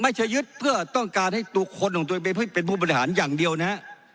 ไม่ใช่ยึดเพื่อต้องการให้คนของตัวเองเป็นผู้บริหารอย่างเดียวนะ